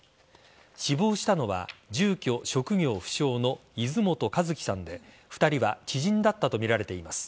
死亡したのは住居、職業不詳の泉本和希さんで２人は知人だったとみられています。